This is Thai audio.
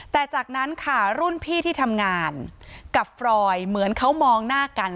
แต่จากนั้นค่ะรุ่นพี่ที่ทำงานกับฟรอยเหมือนเขามองหน้ากัน